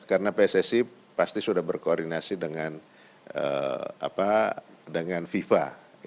karena pssi pasti sudah berkoordinasi dengan viva